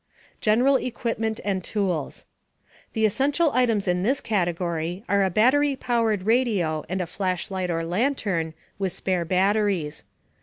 GENERAL EQUIPMENT AND TOOLS. The essential items in this category are a battery powered radio and a flashlight or lantern, with spare batteries.